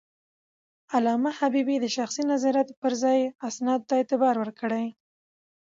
علامه حبيبي د شخصي نظریاتو پر ځای اسنادو ته اعتبار ورکړی.